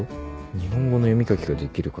「日本語の読み書きができる方」